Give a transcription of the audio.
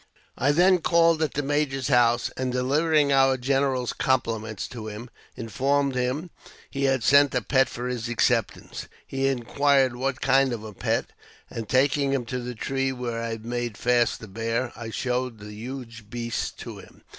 I then called at the major's house, and, delivering our general's compliments to him, informed him he had sent a, pet for his acceptance. He inquired what kind of a pet, and, taking him to the tree where I had made fast the bear, I showed the huge beast to him.